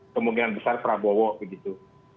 kemungkinan besar prabowo begitu